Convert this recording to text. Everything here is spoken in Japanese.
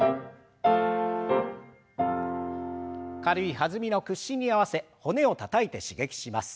軽い弾みの屈伸に合わせ骨をたたいて刺激します。